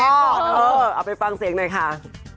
เอาไปฟังเสียงหน่อยค่ะ